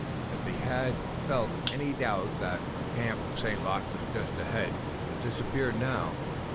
If he had felt any doubt that the camp of St. Luc was just ahead it disappeared now.